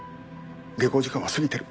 下校時間は過ぎてる。